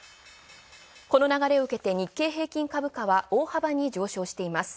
この流れを受けて日経平均株価は大幅に上昇しています。